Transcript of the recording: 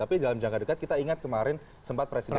tapi dalam jangka dekat kita ingat kemarin sempat presiden